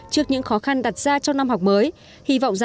trước những khó khăn đặt ra trong năm học mới